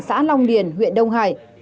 xã long điền huyện đông hải